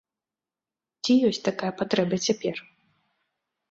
Ці ёсць такая патрэба цяпер?